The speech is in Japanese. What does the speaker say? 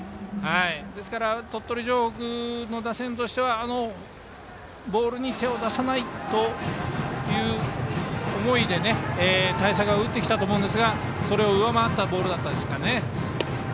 ですから鳥取城北の打線としてはボールに手を出さないという思いで対策は打ってきたと思いますがそれを上回ったボールでしたかね。